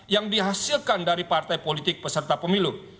yang dihasilkan dari partai politik peserta pemilu